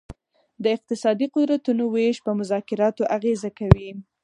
د اقتصادي قدرتونو ویش په مذاکراتو اغیزه کوي